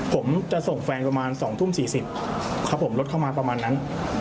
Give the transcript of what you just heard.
ผมจะส่งแฟนประมาณ๒ทุ่ม๔๐ครับผมรถเข้ามาประมาณนั้น